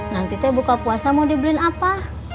nanti teh buka puasa mau dibeliin apa